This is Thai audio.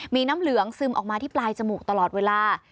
มีน้ำเหลืองซึมออกมาที่ปลายจมูกตลอดเวลา